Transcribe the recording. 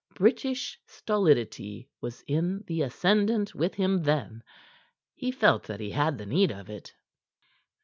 British stolidity was in the ascendant with him then. He felt that he had the need of it.